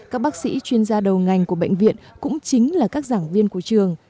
các bác sĩ chuyên gia đầu ngành của bệnh viện cũng chính là các giảng viên của trường